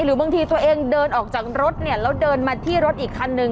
หรือบางทีตัวเองเดินออกจากรถเนี่ยแล้วเดินมาที่รถอีกคันนึง